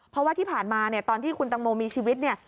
เพราะว่าที่ผ่านมาเนี่ยตอนที่คุณตังโมมีชีวิตเนี่ย